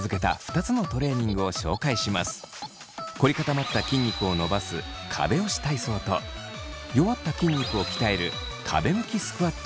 凝り固まった筋肉を伸ばす壁押し体操と弱った筋肉を鍛える壁向きスクワットの２つ。